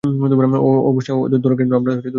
ওহ অবশ্যই, ওদেরকে ধরে আনো, আমরা দরকারী কাজ করি।